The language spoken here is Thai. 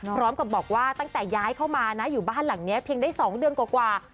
พร้อมกับบอกว่าตั้งแต่ย้ายเข้ามานะอยู่บ้านหลังนี้เพียงได้๒เดือนกว่า